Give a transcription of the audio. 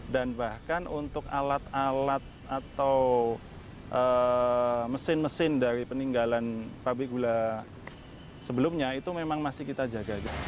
dan bahkan untuk alat alat atau mesin mesin dari peninggalan pabrik gula sebelumnya itu memang masih kita jaga